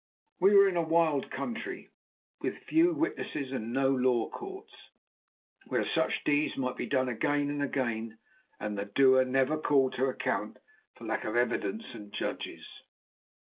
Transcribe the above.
We were in a wild country, with few witnesses and no law courts, where such deeds might be done again and again and the doer never called to account for lack of evidence and judges.